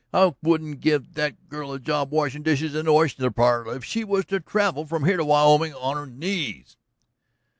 I wouldn't give that girl a job washin' dishes in the oyster parlor if she was to travel from here to Wyoming on her knees."